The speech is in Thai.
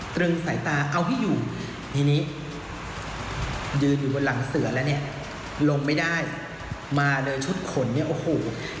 ตรึงสายตาเอาให้อยู่ทีนี้ยืนอยู่บนหลังเสือแล้วเนี่ยลงไม่ได้มาเลยชุดขนเนี่ยโอ้โห